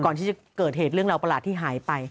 ก่อนที่จะเกิดเหตุเรื่องราวประหลาดที่หายไป